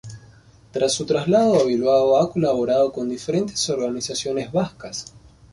Tras su traslado a Bilbao ha colaborado con diferentes organizaciones vascas.